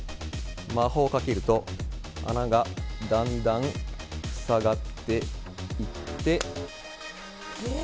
魔法をかけると、穴がだんだん塞がっていって。